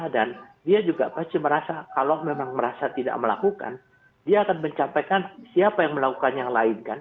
dan dia juga pasti merasa kalau memang merasa tidak melakukan dia akan mencapai siapa yang melakukan yang lain kan